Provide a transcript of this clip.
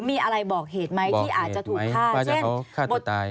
มีอะไรบอกเหตุไหมที่อาจจะถูกฆ่าเช่น